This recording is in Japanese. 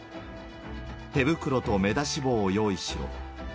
手袋と目出し帽を用意しろ。